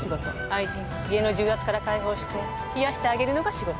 愛人は家の重圧から解放して癒やしてあげるのが仕事。